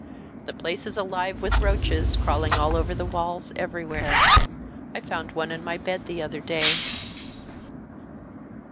The place is alive with roaches, crawling all over the walls, everywhere. I found one in my bed the other day